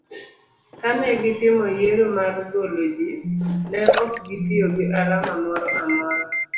kane gitimo yiero mar golo jii, ne ok gitiyo gi alama moro amor